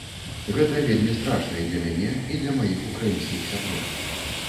Гэта вельмі страшна, і для мяне, і для маіх украінскіх сяброў.